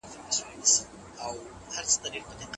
هغوی د موضوع په اړه ډېر دلایل راوړل.